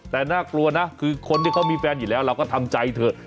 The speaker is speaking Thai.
แต่น่ากลัวนะคือคนที่เขามีแฟนอยู่แล้วเราก็ทำใจเถอะ